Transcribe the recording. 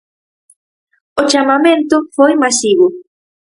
O chamamento foi masivo.